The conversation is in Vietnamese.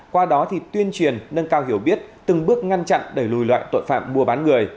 qua đó thì tuyên truyền nâng cao hiểu biết từng bước ngăn chặn đẩy lùi loại tội phạm mua bán người